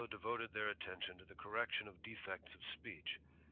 . devoted their attention to the correction of defects of speech.